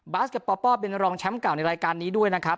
กับปปเป็นรองแชมป์เก่าในรายการนี้ด้วยนะครับ